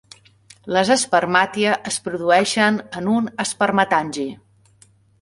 Les espermatia es produeixen en un espermatangi.